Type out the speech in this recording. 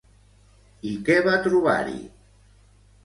I què va trobar-hi?